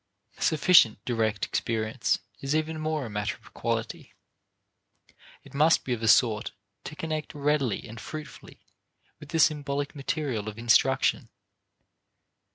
Sufficient direct experience is even more a matter of quality; it must be of a sort to connect readily and fruitfully with the symbolic material of instruction.